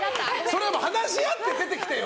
それは話し合って出てきてよ！